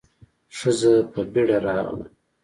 ښځه په بيړه راغله.